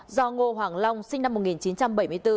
do ngô hoàng long sinh năm một nghìn chín trăm bảy mươi bốn